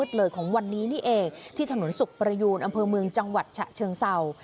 เลยของวันนี้นี่เองที่ถนนสุขประยูนอำเภอเมืองจังหวัดฉะเชิงเศร้า